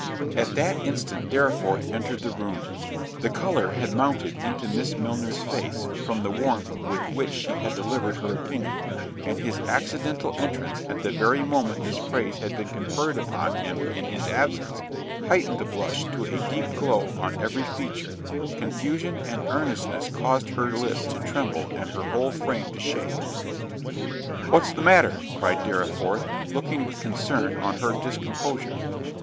At that instant Dorriforth entered the room. The colour had mounted into Miss Milner's face from the warmth with which she had delivered her opinion, and his accidental entrance at the very moment this praise had been conferred upon him in his absence, heightened the blush to a deep glow on every feature—confusion and earnestness caused even her lips to tremble and her whole frame to shake. "What's the matter?" cried Dorriforth, looking with concern on her discomposure.